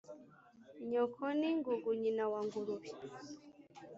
nyoko n i ngungu nyina w a ngurube •